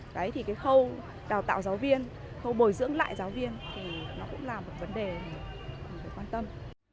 đấy thì cái khâu đào tạo giáo viên khâu bồi dưỡng lại giáo viên thì nó cũng là một vấn đề mà mình phải quan tâm